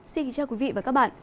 xin kính chào quý vị và các bạn